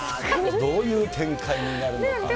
どういう展開になるのか。